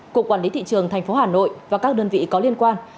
cục quản lý thị trường tp hà nội và các đơn vị có liên quan